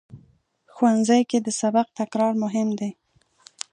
ښوونځی کې د سبق تکرار مهم دی